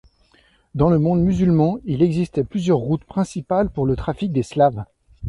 Dans le monde musulman, il existait plusieurs routes principales pour le trafic des Slaves.